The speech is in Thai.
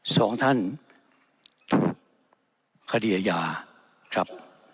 สองท่านถูกคดีอาญาครับ